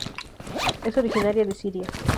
Es originaria de Siria.